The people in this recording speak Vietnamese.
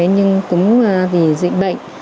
nhưng cũng vì dịch bệnh